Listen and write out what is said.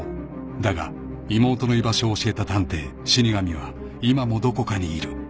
［だが妹の居場所を教えた探偵死神は今もどこかにいる］